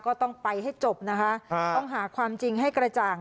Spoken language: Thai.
ก็ต้องไปให้จบนะคะต้องหาความจริงให้กระจ่าง